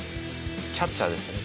キャッチャーですね